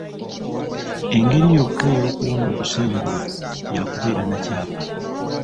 Engeri yokka ey'okuwona okusengulwa ya kubeera na kyapa.